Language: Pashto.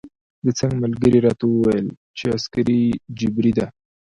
د څنګ ملګري راته وویل چې عسکري جبری ده.